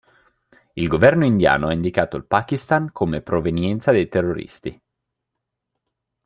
Il governo indiano ha indicato il Pakistan come provenienza dei terroristi.